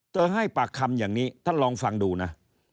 ให้ปากคำอย่างนี้ท่านลองฟังดูนะ